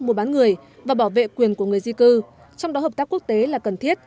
mua bán người và bảo vệ quyền của người di cư trong đó hợp tác quốc tế là cần thiết